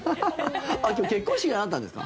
今日結婚式じゃなかったんですか？